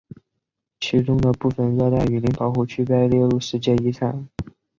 其中的部分热带雨林保护区被列入世界遗产。